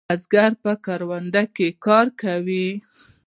بزگر په کرونده کې کار کوي.